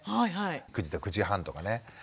９時と９時半とかね